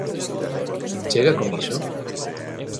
¿Chega con iso?